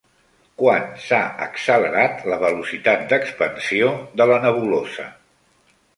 Quan s'ha accelerat la velocitat d'expansió de la nebulosa?